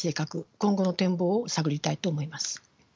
今後の展望を探りたいと思います。